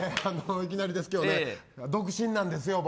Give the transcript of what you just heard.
いきなりですけどね独身なんですよ、僕。